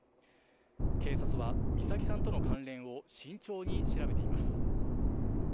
警察は美咲さんとの関連を慎重に調べています。